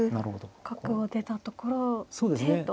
角を出たところを手と。